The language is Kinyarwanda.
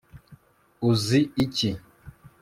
uzi iki